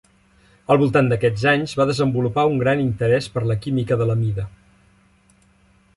Al voltant d'aquests anys va desenvolupar un gran interès per la química de l'amida.